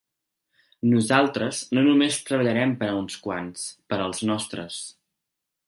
Nosaltres no només treballarem per a uns quants, per ‘als nostres’.